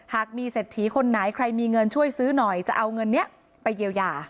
หากมีเศรษฐีคนไหนใครมีเงินช่วยซื้อหน่อยจะเอาเงินนี้ไปเยียวยา